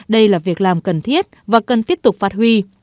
đây là việc làm cần thiết và cần tiếp tục phát huy